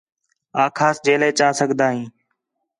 آکھاس جیلے چا سڳدا ہیں